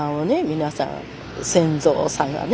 皆さん先祖さんがね